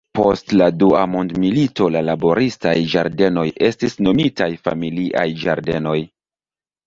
Post la dua mondmilito la laboristaj ĝardenoj estis nomitaj familiaj ĝardenoj.